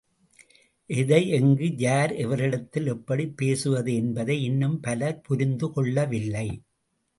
எதை, எங்கு, யார், எவரிடத்தில்— எப்படிப் பேசுவது என்பதை இன்னும் பலர் புரிந்து கொள்ளவில்லை.